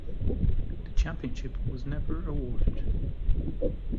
The championship was never awarded.